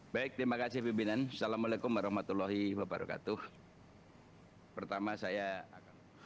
baik terima kasih pembinaan assalamu alaikum warahmatullahi wabarakatuh